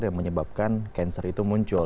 yang menyebabkan cancer itu muncul